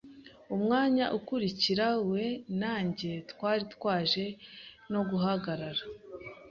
umwanya ukurikira we na njye twari twaje no guhagarara.